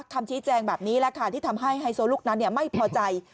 คำชี้แจงแบบนี้แหละค่ะที่ทำให้ไฮโซลูกนั้นไม่พอใจ